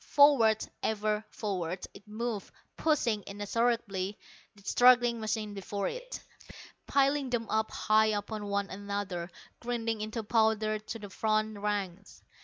Forward, ever forward, it moved, pushing inexorably the struggling machines before it, piling them up high upon one another, grinding into powder the front ranks.